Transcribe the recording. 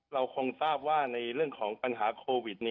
เราคงทราบว่าในเรื่องของปัญหาโควิด